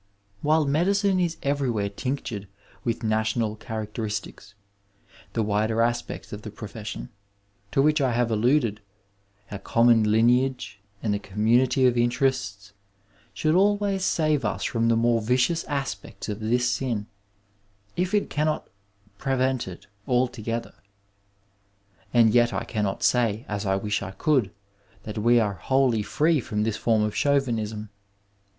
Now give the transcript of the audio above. While medicine is everjrwhere tinctured with national characteristics, the wider aspects of the profession, to which I have alluded—our common lineage and the com munity of interests — should always save us from the more vicious aspects of this sin, if it cannot prevent it altogether. And yet I cannot say, as I wish I could, that we are wholly free from this form of Chauvinism.